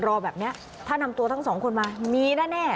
รอแบบนี้ถ้านำตัวทั้งสองคนมามีแน่